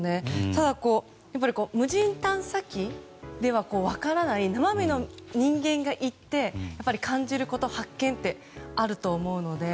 ただ無人探査機では分からない生身の人間が行って感じること発見ってあると思うので。